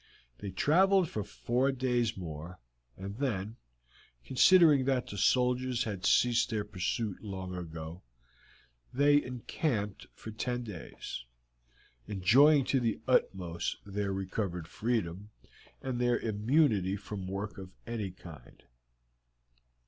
They traveled for four days more, and then, considering that the soldiers had ceased their pursuit long ago, they encamped for ten days, enjoying to the utmost their recovered freedom and their immunity from work of any kind.